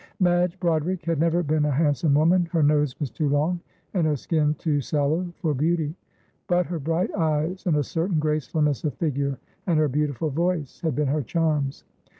Madge Broderick had never been a handsome woman, her nose was too long, and her skin too sallow for beauty, but her bright eyes and a certain gracefulness of figure, and her beautiful voice had been her charms.